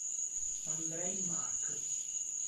Andrei Marc